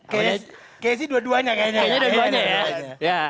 kayaknya dua duanya ya